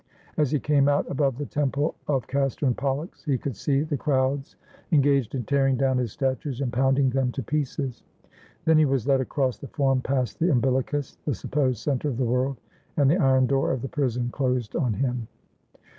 As he came out above the temple of Castor and Pollux he could see the crowds engaged in tearing down his statues and pounding them 429 ROME to pieces. Then he was led across the forum past the Umbilicus, the supposed center of the world, and the iron door of the prison closed on him.